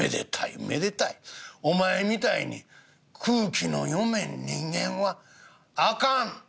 お前みたいに空気の読めん人間はあかん！